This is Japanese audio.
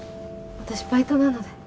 私バイトなので。